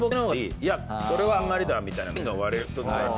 いやそれはあんまりだみたいなので。